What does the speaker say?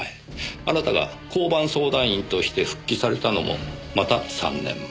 あなたが交番相談員として復帰されたのもまた３年前。